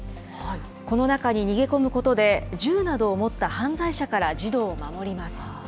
この中に逃げ込むことで、銃などを持った犯罪者から児童を守ります。